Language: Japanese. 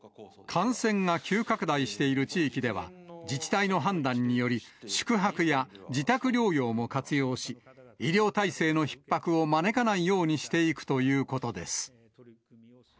感染が急拡大している地域では、自治体の判断により、宿泊や自宅療養も活用し、医療体制のひっ迫を招かないようにしていくということです。